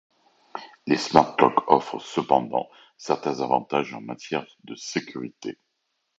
Les smart locks offrent cependant certains avantages en matière de sécurité.